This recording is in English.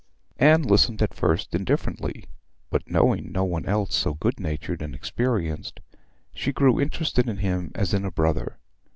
Anne listened at first indifferently; but knowing no one else so good natured and experienced, she grew interested in him as in a brother.